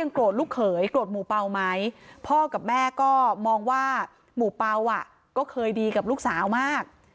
ยังโกรธลูกเขยโกรธหมู่เปล่าไหมพ่อกับแม่ก็มองว่าหมู่เปล่าก็เคยดีกับลูกสาวมาก